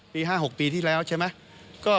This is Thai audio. ๕๖ปีที่แล้วใช่ไหม